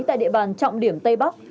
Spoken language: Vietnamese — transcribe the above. tại địa bàn trọng điểm tây bắc